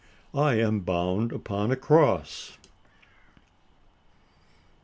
I am bound upon a cross!